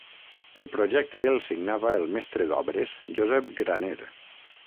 El projecte el signava el mestre d'obres Josep Graner.